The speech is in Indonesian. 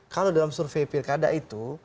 kalau dalam survei pilkada itu